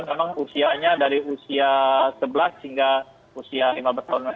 memang usianya dari usia sebelas hingga usia lima belas tahun